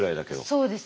そうですね。